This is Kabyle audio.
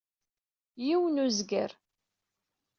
Yiwen uzger.